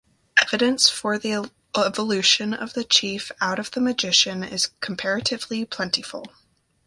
Evidence for the evolution of the chief out of the magician is comparatively plentiful.